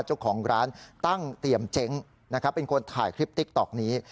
เจ้าของร้านตั้งเตรียมเจ๊งนะครับเป็นคนถ่ายคลิปติ๊กต๊อกนี้